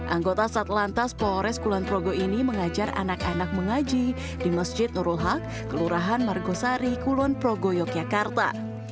anggota satlantas polres kulon progo ini mengajar anak anak mengaji di masjid nurul haq kelurahan margosari kulon progo yogyakarta